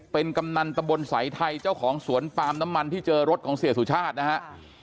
เป็นกำนันตะบนสายไทยเจ้าของสวนปาล์มน้ำมันที่เจอรถของเสียสุชาตินะฮะ